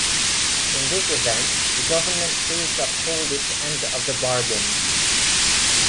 In this event, the government failed to uphold its end of the bargain.